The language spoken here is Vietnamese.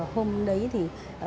hôm đấy thì